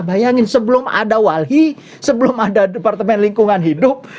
bayangin sebelum ada walhi sebelum ada departemen lingkungan hidup